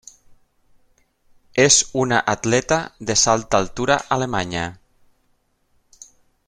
És una atleta de salt d'altura alemanya.